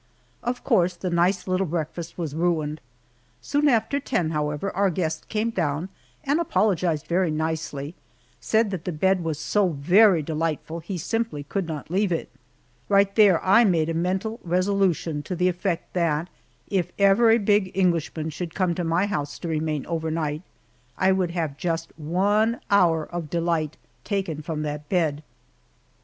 Of course the nice little breakfast was ruined! Soon after ten, however, our guest came down and apologized very nicely said that the bed was so very delightful be simply could not leave it. Right there I made a mental resolution to the effect that if ever a big Englishman should come to my house to remain overnight, I would have just one hour of delight taken from that bed!